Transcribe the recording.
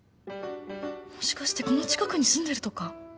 もしかしてこの近くに住んでるとか？